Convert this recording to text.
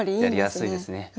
やりやすいですね。